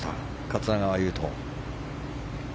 桂川有人。